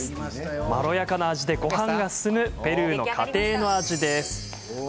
まろやかな味でごはんが進むペルーの家庭の味です。